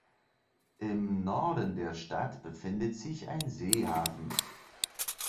Im Norden der Stadt befindet sich ein Seehafen.